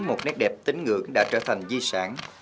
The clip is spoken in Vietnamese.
một nét đẹp tính ngưỡng đã trở thành di sản